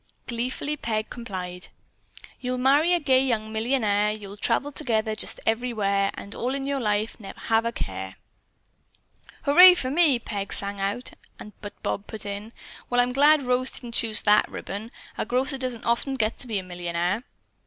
Gleefully Peg complied: "You'll marry a gay young millionaire, You'll travel together just everywhere, And in all your life have never a care." "Hurray for me!" Peg sang out, but Bob put in: "Well, I'm glad Rose didn't choose that ribbon. A grocer doesn't often get to be a millionaire."